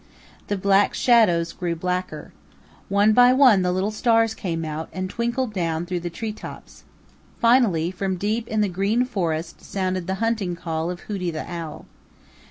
The Black Shadows grew blacker. One by one the little stars came out and twinkled down through the tree tops. Finally from deep in the Green Forest sounded the hunting call of Hooty the Owl.